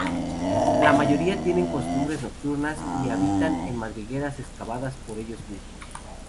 La mayoría tienen costumbres nocturnas y habitan en madrigueras excavadas por ellos mismos.